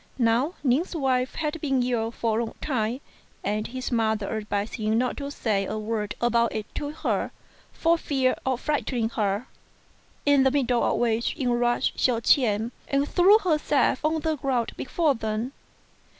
Now Ning's wife had been ill for a long time, and his mother advised him not to say a word about it to her for fear of frighten ing her ; in the middle of which in rushed Hsiao ch'ien, and threw herself on the ground before them.